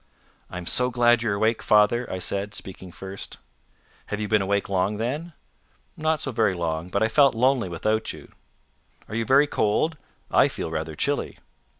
"I'm so glad you're awake, father," I said, speaking first. "Have you been long awake then?" "Not so very long, but I felt lonely without you." "Are you very cold? I feel rather chilly."